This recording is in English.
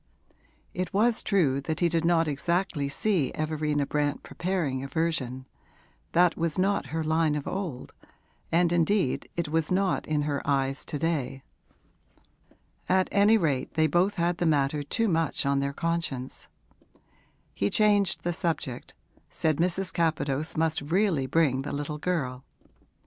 It was true that he did not exactly see Everina Brant preparing a version; that was not her line of old, and indeed it was not in her eyes to day. At any rate they both had the matter too much on their conscience. He changed the subject, said Mrs. Capadose must really bring the little girl.